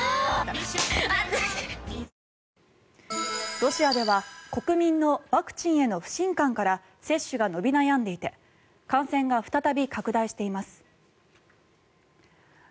ロシアでは国民のワクチンへの不信感から接種が伸び悩んでいて感染が再び拡大しています。